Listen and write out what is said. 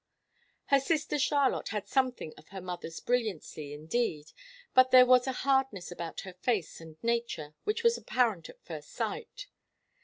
Her sister Charlotte had something of her mother's brilliancy, indeed, but there was a hardness about her face and nature which was apparent at first sight.